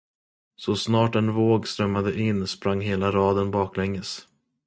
Så snart en våg strömmade in, sprang hela raden baklänges.